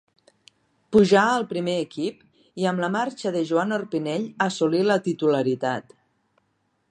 Pujà al primer equip, i amb la marxa de Joan Orpinell assolí la titularitat.